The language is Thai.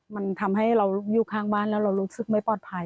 มันทำให้เราอยู่ข้างบ้านแล้วเรารู้สึกไม่ปลอดภัย